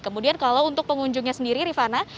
kemudian kalau untuk pengunjungnya sendiri rifana